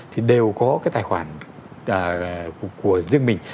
thì đều có cái tài khoản của riêng mình